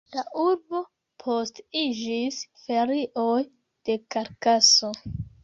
La urbo poste iĝis feriejo de Karakaso.